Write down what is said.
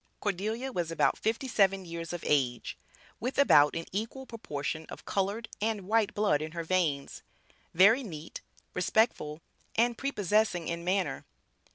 Cordelia was about fifty seven years of age, with about an equal proportion of colored and white blood in her veins; very neat, respectful and prepossessing in manner.